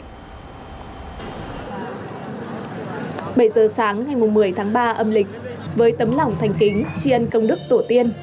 bảy giờ sáng ngày một mươi tháng ba âm lịch với tấm lòng thành kính tri ân công đức tổ tiên